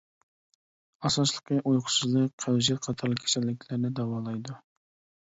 ئاساسلىقى ئۇيقۇسىزلىق، قەۋزىيەت قاتارلىق كېسەللىكلەرنى داۋالايدۇ.